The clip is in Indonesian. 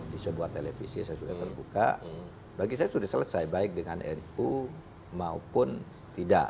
di sebuah televisi saya sudah terbuka bagi saya sudah selesai baik dengan nu maupun tidak